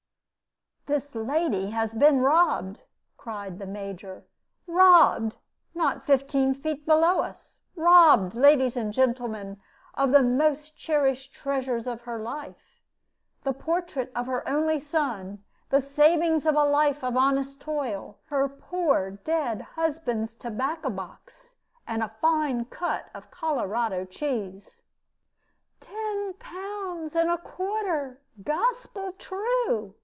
"This lady has been robbed!" cried the Major; "robbed, not fifteen feet below us. Robbed, ladies and gentlemen, of the most cherished treasures of her life, the portrait of her only son, the savings of a life of honest toil, her poor dead husband's tobacco box, and a fine cut of Colorado cheese." "Ten pounds and a quarter, gospel true!"